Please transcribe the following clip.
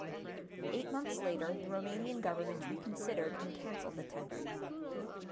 Eight months later the Romanian Government reconsidered and cancelled the tender.